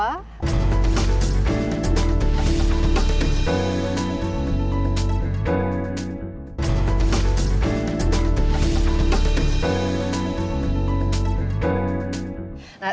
ya ini juga penting sekali